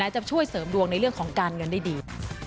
จะช่วยเสริมดวงในเรื่องของการเงินได้ดี